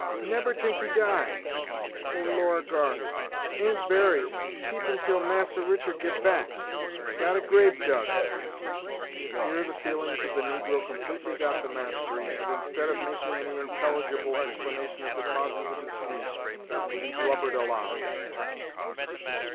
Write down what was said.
neber tink he die! Oh, Lor a gor! ain't bury keep 'em till masser Richard get back got a grabe dug " Here the feelings of the negro completely got the mastery, and, instead of making any intelligible explanation of the causes of his grief, he blubbered aloud.